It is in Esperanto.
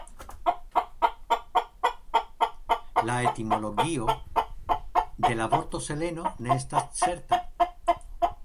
La etimologio de la vorto "Seleno" ne estas certa.